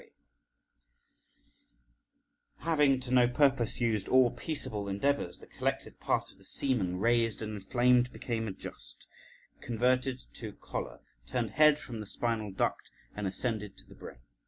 _ Having to no purpose used all peaceable endeavours, the collected part of the semen, raised and inflamed, became adust, converted to choler, turned head upon the spinal duct, and ascended to the brain.